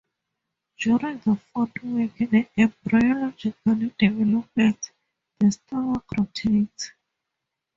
During the fourth week of embryological development, the stomach rotates.